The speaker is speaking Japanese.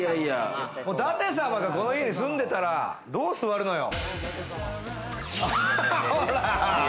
舘様がこの家に住んでたらどう座るのよ。